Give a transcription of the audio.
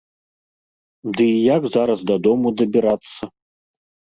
Ды і як зараз дадому дабірацца?